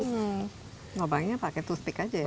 lubangnya pakai toothpick aja ya pak ya